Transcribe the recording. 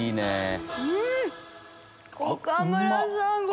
うん！